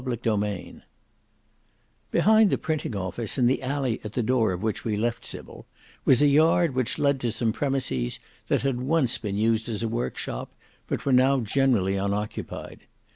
Book 5 Chapter 8 Behind the printing office in the alley at the door of which we left Sybil, was a yard which led to some premises that had once been used as a work shop, but were now generally unoccupied.